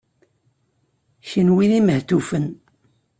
Kenwi d imehtufen.